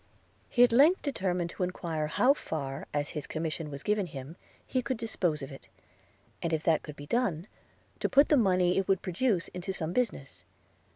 He at length determined to enquire how far, as his commission was given him, he could dispose of it; and if that could be done, to put the money it would produce into some business.